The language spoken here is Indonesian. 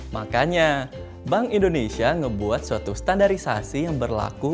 makanya bank indonesia ngebuat suatu standarisasi yang berlaku